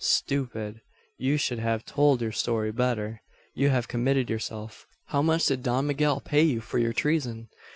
"Stupid, you should have told your story better. You have committed yourself. How much did Don Miguel pay you for your treason?"